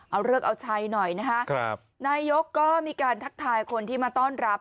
เอาเลิกเอาชัยหน่อยนะคะครับนายกก็มีการทักทายคนที่มาต้อนรับ